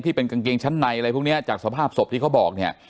กางเกงชั้นในอะไรพวกนี้จากสภาพศพที่เขาบอกเนี่ย